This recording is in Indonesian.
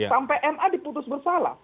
sampai ma diputus bersalah